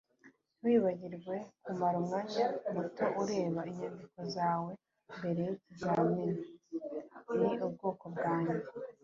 ntiwibagirwe kumara umwanya muto ureba inyandiko zawe mbere yikizamini. ni ubwoko bwanjye